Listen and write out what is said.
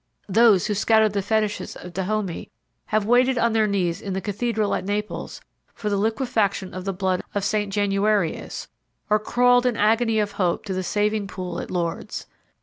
Those who scouted the fetiches of Dahomey have waited on their knees in the Cathedral at Naples for the liquefaction of the blood of St. Januarius, or crawled in agony of hope to the saving pool at Lourdes.